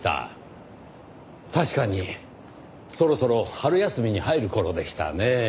確かにそろそろ春休みに入る頃でしたねぇ。